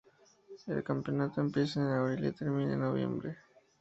El campeonato empieza en abril y termina en noviembre.